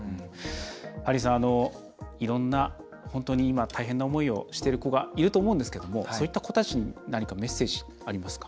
ハリーさん、いろんな本当に今大変な思いをしている子がいると思うんですけどもそういった子たちに何かメッセージありますか？